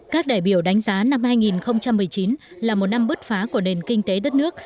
các đại biểu đánh giá năm hai nghìn một mươi chín là một năm bứt phá của nền kinh tế đất nước